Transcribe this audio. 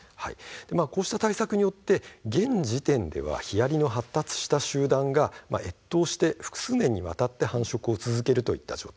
こうした対策によって現時点ではヒアリの発達した集団が越冬して複数年にわたって繁殖を続けるという状態